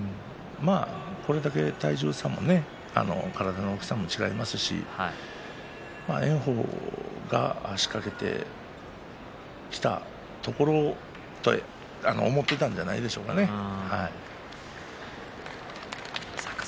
これだけ体重差も体の大きさも違いますし炎鵬が仕掛けてきたところをと思っていたんじゃないでしょうかね、何か。